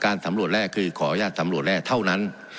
สำรวจแร่คือขออนุญาตสำรวจแร่เท่านั้น